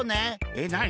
えっなに？